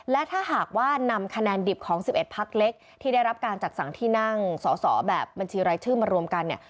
และถ้าหากว่านำคะแนนดิบของ๑๑พักเล็กที่ได้รับการจัดสรรที่นั่งสอสอแบบบัญชีรายชื่อมารวมกันเนี่ย